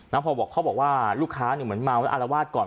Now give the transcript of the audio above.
แล้วพอเขาบอกว่าลูกค้าหนึ่งเหมือนมาวันอารวาสก่อน